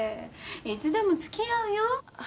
いつでも付き合うよ。